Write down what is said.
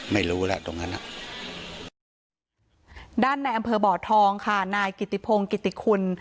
ไม่รู้แล้วตรงนั้นอ่ะด้านในอำเภอบ่อทองค่ะนายกิติพงกิติคุณ